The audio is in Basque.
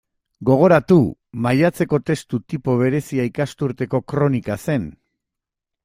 Gogoratu; maiatzeko testu tipo berezia ikasturteko kronika zen.